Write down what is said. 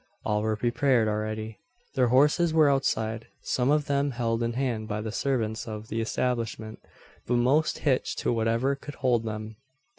All were prepared already. Their horses were outside some of them held in hand by the servants of the establishment, but most "hitched" to whatever would hold them.